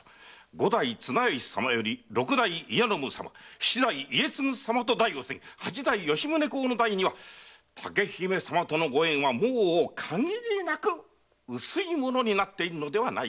五代・綱吉様より六代・家宣様七代・家継様と代を経て八代・吉宗公の代には竹姫様とのご縁はもう限りなく薄いものになっているのではないかと。